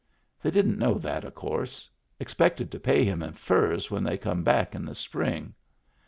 They didn't know that, of course. Ex pected to pay him in furs when they come back in the spring.